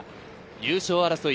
優勝争い。